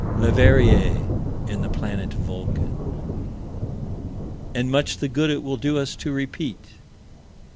Leverrier and the "planet Vulcan." And much the good it will do us to repeat.